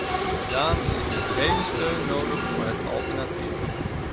Daarom is nu brede steun nodig voor het alternatief.